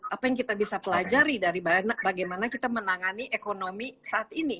apa yang kita bisa pelajari dari bagaimana kita menangani ekonomi saat ini